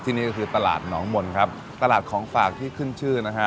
ที่นี่ก็คือตลาดหนองมนต์ครับตลาดของฝากที่ขึ้นชื่อนะฮะ